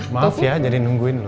maaf ya jadi nungguin dulu